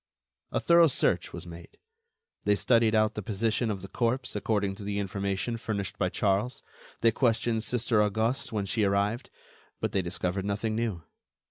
A thorough search was made; they studied out the position of the corpse according to the information furnished by Charles; they questioned Sister Auguste when she arrived; but they discovered nothing new.